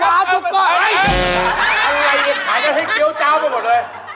งานอะไรแกขายเดี๋ยวให้เกี้ยวเจ้ามันหมดเลย